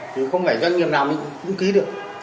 chứ không phải doanh nghiệp nào mình cũng ký được